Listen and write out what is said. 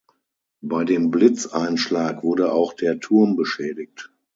Bei dem Blitzeinschlag wurde auch der Turm beschädigt.